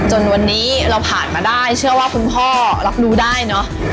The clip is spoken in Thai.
จนวันนี้เราผ่านมาได้เชื่อว่าคุณพ่อรับรู้ได้เนอะ